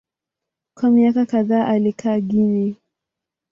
Kwa miaka kadhaa alikaa Guinea.